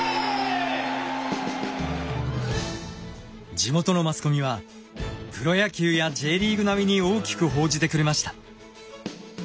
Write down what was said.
地元のマスコミはプロ野球やＪリーグ並みに大きく報じてくれました。